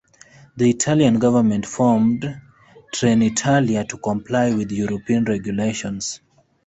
The Italian government formed Trenitalia to comply with European regulations.